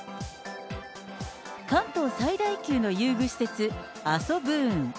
関東最大級の遊具施設、アソブーン。